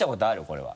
これは。